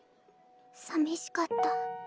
さみしかった。